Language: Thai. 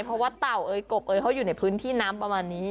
เพราะว่าเต่าเอ่ยกบเอ๋ยเขาอยู่ในพื้นที่น้ำประมาณนี้